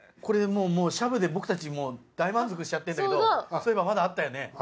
もうしゃぶで僕たち大満足しちゃってんだけどそういえばまだあったよね？